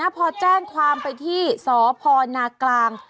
พอแจ้งความไปที่สพนากลาง